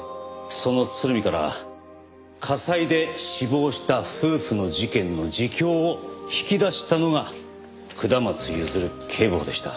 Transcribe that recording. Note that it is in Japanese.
その鶴見から火災で死亡した夫婦の事件の自供を引き出したのが下松譲警部補でした。